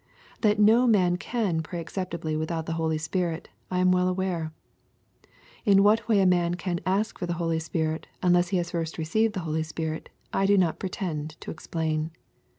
— That no man can pray acceptably without the Holy Spirit, I am well aware. — In what way a man can ask for the Holy Spirit unless he has first received the Holy Spirit^ I do not pretend to explain.